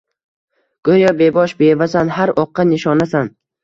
Goʼyo bebosh bevasan – har oʼqqa nishonasan.